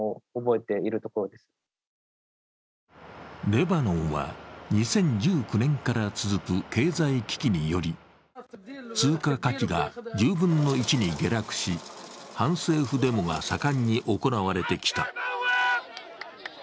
レバノンは２０１９年から続く経済危機により通貨価値が１０分の１に下落し反政府デモが盛んに行われてきた。